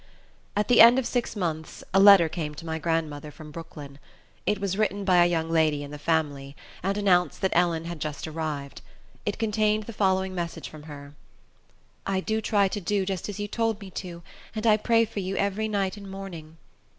At the end of six months, a letter came to my grandmother, from Brooklyn. It was written by a young lady in the family, and announced that Ellen had just arrived. It contained the following message from her: "I do try to do just as you told me to, and I pray for you every night and morning."